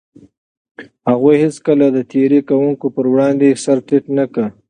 هغوی هيڅکله د تېري کوونکو پر وړاندې سر ټيټ نه کړ.